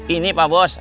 ini pak bos